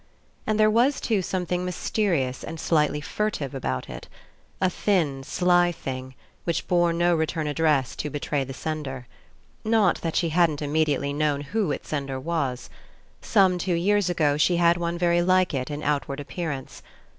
And there was, too, something mysterious and slightly fur tive about it. A thin sly thing which bore no return address to betray the sender. Not that she hadn't immediately known who its sender was. Some two years ago she had one very like it in outward appearance.